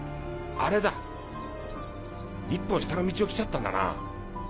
あれだ１本下の道を来ちゃったんだな。